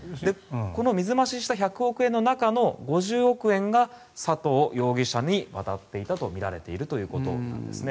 この水増しした１００億円の中の５０億円が佐藤容疑者に渡っていたとみられているということです。